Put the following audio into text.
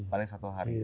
paling satu hari